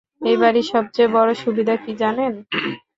এই বাড়ির সবচেয়ে বড় সুবিধা কী, জানেন?